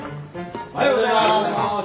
おはようございます。